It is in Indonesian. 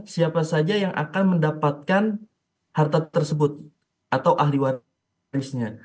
siapa saja yang akan mendapatkan harta tersebut atau ahli warisnya